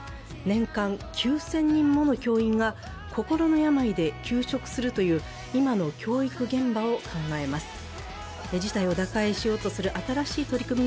年間９０００人もの教員が心の病で休職するという今の教育現場を考えます。